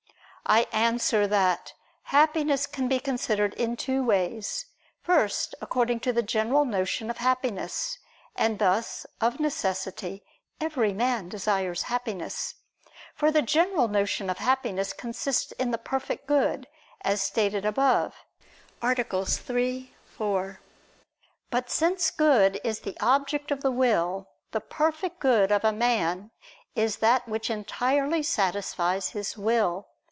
I answer that, Happiness can be considered in two ways. First according to the general notion of happiness: and thus, of necessity, every man desires happiness. For the general notion of happiness consists in the perfect good, as stated above (AA. 3, 4). But since good is the object of the will, the perfect good of a man is that which entirely satisfies his will.